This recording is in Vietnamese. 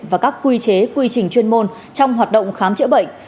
và các quy chế quy trình chuyên môn trong hoạt động khám chữa bệnh